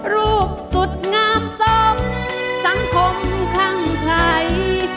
รูปสุดงามทรงสังคมทั้งไข